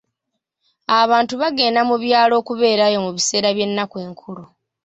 Abantu bagenda mu byalo okubeerayo mu biseera by'ennaku enkulu